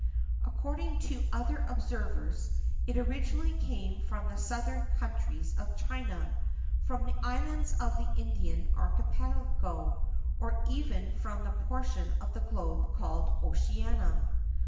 According to other observers, it originally came from the southern countries of China,[XIII 37] from the islands of the Indian Archipelago, or even from that portion of the globe called Oceania.